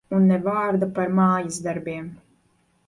Un ne vārda par mājasdarbiem.